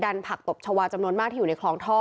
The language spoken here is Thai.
ผักตบชาวาจำนวนมากที่อยู่ในคลองท่อ